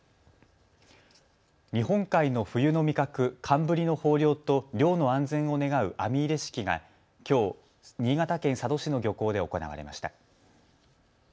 日本海の冬の味覚、寒ブリの豊漁と漁の安全を願う網入れ式がきょう新潟県佐渡市の漁港で行われました。